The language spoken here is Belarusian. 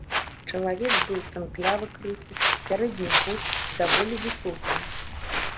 Чалавек быў танклявы крыху, сярэдніх год, даволі высокі.